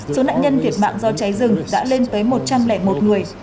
số nạn nhân thiệt mạng do cháy rừng đã lên tới một trăm linh một người